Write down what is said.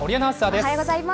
おはようございます。